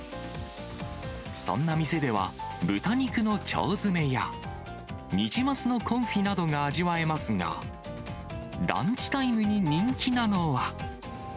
そんな店では、豚肉の腸詰めや、ニジマスのコンフィなどが味わえますが、ランチタイムに人気なのは。